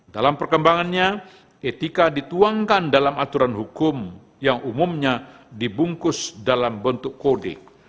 dalam perkembangannya etika dituangkan dalam aturan hukum yang umumnya dibungkus dalam bentuk kode